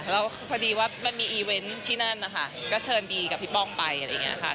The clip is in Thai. แล้วพอดีว่ามันมีอีเวนต์ที่นั่นนะคะก็เชิญบีกับพี่ป้องไปอะไรอย่างนี้ค่ะ